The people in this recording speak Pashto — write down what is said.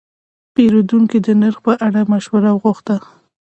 پیرودونکی د نرخ په اړه مشوره وغوښته.